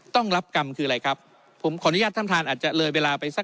ต้องรับกรรมคืออะไรครับผมขออนุญาตท่านท่านอาจจะเลยเวลาไปสัก